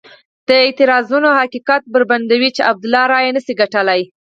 دا اعتراضونه حقیقت بربنډوي چې عبدالله رایې نه شي ګټلای.